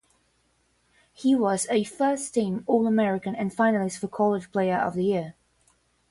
He was a first-team All-American and finalist for "College Player of the Year".